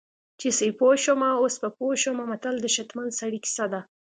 چې سیپو شومه اوس په پوه شومه متل د شتمن سړي کیسه ده